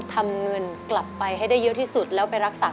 ทั้งในเรื่องของการทำงานเคยทำนานแล้วเกิดปัญหาน้อย